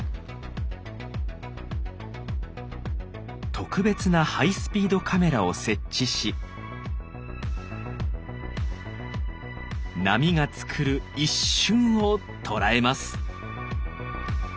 特別なハイスピードカメラを設置し波がつくる「一瞬」を捉えます。